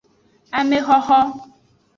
Amexoxo.